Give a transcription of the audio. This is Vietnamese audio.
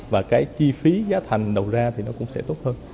và cái chi phí giá thành đầu ra thì nó cũng sẽ tốt hơn